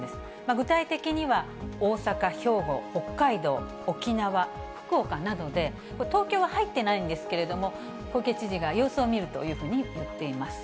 具体的には、大阪、兵庫、北海道、沖縄、福岡などで、東京は入ってないんですけれども、小池知事が様子を見るというふうに言っています。